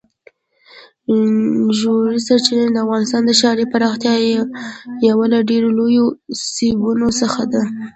ژورې سرچینې د افغانستان د ښاري پراختیا یو له ډېرو لویو سببونو څخه ده.